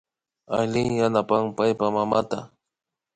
Aylin yanapan paypa mamata